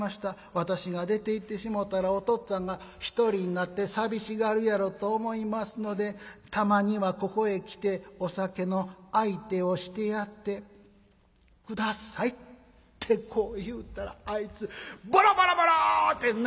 私が出ていってしもたらおとっつぁんが一人になって寂しがるやろと思いますのでたまにはここへ来てお酒の相手をしてやって下さい』ってこう言うたらあいつボロボロボロッて泣きよったんや。